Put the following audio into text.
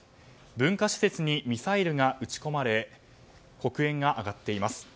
文化施設にミサイルが撃ち込まれ黒煙が上がっています。